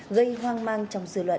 gây hoang mang trong dư luận